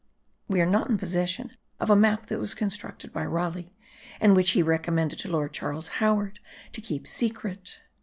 We are not in possession of a map that was constructed by Raleigh, and which he recommended to lord Charles Howard to keep secret.